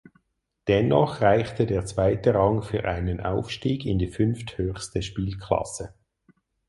Dennoch reichte der zweite Rang für einen Aufstieg in die fünfthöchste Spielklasse.